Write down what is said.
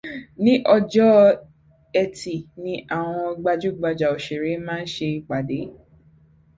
Ní ọjọ́ Etì ni àwọn gbajúgbajà òṣèré má ń ṣe ìpàdé.